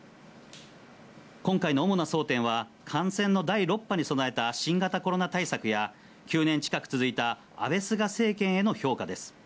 今回の主な争点は、感染の第６波に備えた新型コロナ対策や、９年近く続いた安倍・菅政権への評価です。